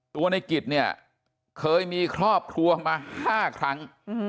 ตัวในกิจเนี่ยเคยมีครอบครัวมา๕ครั้ง